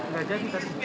gak jadi kan